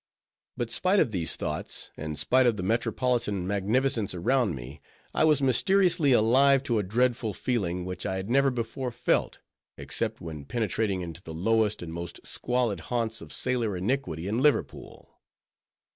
But spite of these thoughts, and spite of the metropolitan magnificence around me, I was mysteriously alive to a dreadful feeling, which I had never before felt, except when penetrating into the lowest and most squalid haunts of sailor iniquity in Liverpool.